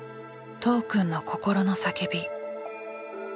都央くんの心の叫び。